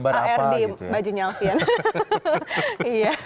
bisa muncul gambar apa gitu ya